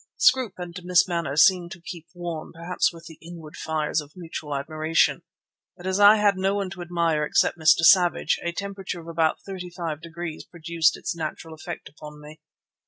Scroope and Miss Manners seemed to keep warm, perhaps with the inward fires of mutual admiration, but as I had no one to admire except Mr. Savage, a temperature of about 35 degrees produced its natural effect upon me.